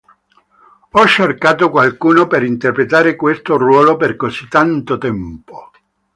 Ho cercato qualcuno per interpretare questo ruolo per così tanto tempo.